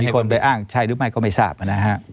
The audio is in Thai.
คนไปอ้างใช่หรือไม่ก็ไม่ทราบนะฮะ